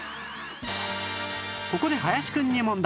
ここで林くんに問題